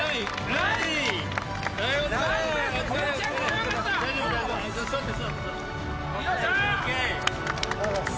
ありがとうございます。